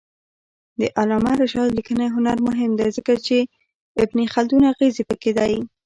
د علامه رشاد لیکنی هنر مهم دی ځکه چې ابن خلدون اغېز پکې دی.